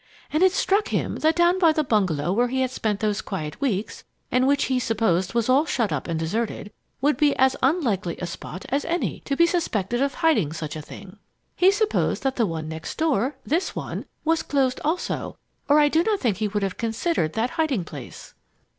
And it struck him that down at the bungalow where he had spent those quiet weeks, and which he supposed was all shut up and deserted, would be as unlikely a spot as any to be suspected of hiding such a thing. He supposed that the one next door this one was closed also, or I do not think he would have considered that hiding place.